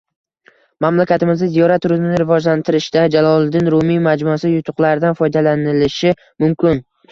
Mamlakatimizda ziyorat turizmini rivojlantirishda Jaloliddin Rumiy majmuasi yutuqlaridan foydalanilishi mumkin